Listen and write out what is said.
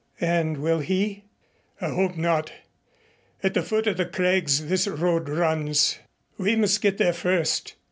"And will he?" "I hope not. At the foot of the crags this road runs. We must get there first.